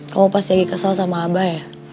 kamu pasti lagi kesal sama abah ya